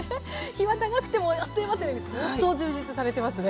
日は長くてもあっという間というように相当充実されてますね。